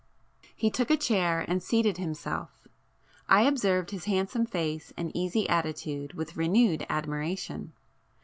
He took a chair and seated himself. I observed his handsome face and easy attitude with renewed admiration.